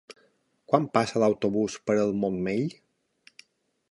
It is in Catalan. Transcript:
Quan passa l'autobús per el Montmell?